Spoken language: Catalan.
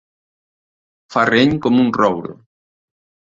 Ferreny com un roure.